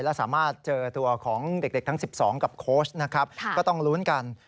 และสามารถเจอตัวของเด็กทั้ง๑๒กับโคสท์ก็ต้องรู้รู้ด้วยกัน